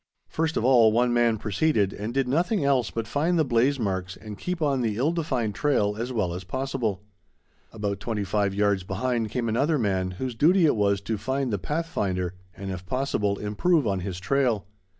First of all, one man preceded and did nothing else but find the blaze marks and keep on the ill defined trail as well as possible. About twenty five yards behind came another man whose duty it was to find the pathfinder, and if possible, improve on his trail.